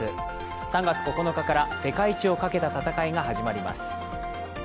３月９日から世界一をかけた戦いが始まります。